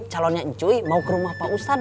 calonnya ncuy mau ke rumah pak ustaz